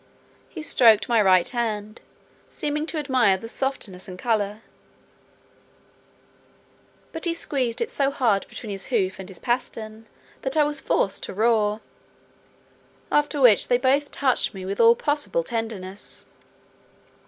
He stroked my right hand, seeming to admire the softness and colour; but he squeezed it so hard between his hoof and his pastern, that I was forced to roar; after which they both touched me with all possible tenderness.